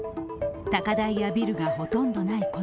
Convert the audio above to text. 高台やビルがほとんどない